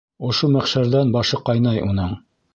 Ошо мәхшәрҙән башы ҡайнай уның.